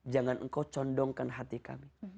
jangan engkau condongkan hati kami